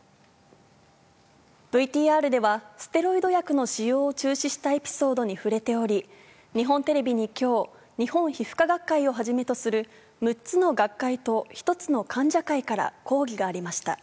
ＶＴＲでは、ステロイド薬の使用を中止したエピソードに触れており、日本テレビにきょう、日本皮膚科学会をはじめとする、６つの学会と１つの患者会から抗議がありました。